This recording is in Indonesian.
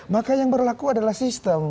maka yang berlaku adalah sistem